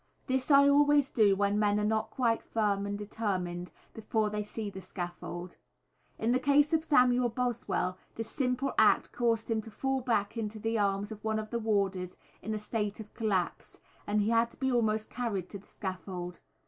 This I always do when men are not quite firm and determined, before they see the scaffold. In the case of Samuel Boswell this simple act caused him to fall back into the arms of one of the warders in a state of collapse, and he had to be almost carried on to the scaffold.